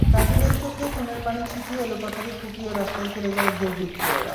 তাজুলের চোখে চুনের পানি ছিটিয়ে এলোপাতাড়ি কুপিয়ে রাস্তায় ফেলে যায় দুর্বৃত্তরা।